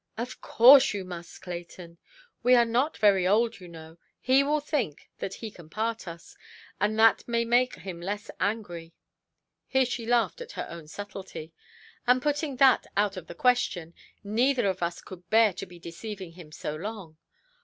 "Of course you must, Clayton. We are not very old, you know; he will think that he can part us, and that may make him less angry",—here she laughed at her own subtlety,—"and putting that out of the question, neither of us could bear to be deceiving him so long.